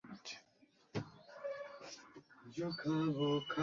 যোগাযোগ থাকবে কীভাবে?